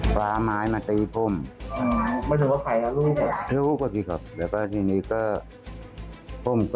คว้าไม้มาตีพ่ม